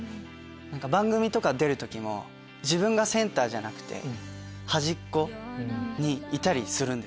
番組とか出る時も自分がセンターじゃなくて端っこにいたりするんですよ。